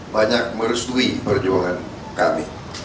banyak merestui perjuangan kami